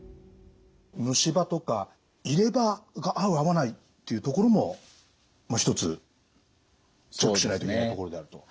虫歯とか入れ歯が合う合わないっていうところも一つチェックしないといけないところであると。